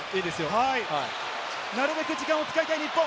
なるべく時間を使いたい日本。